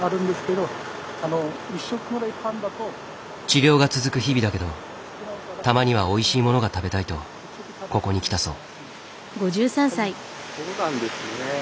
治療が続く日々だけどたまにはおいしいものが食べたいとここに来たそう。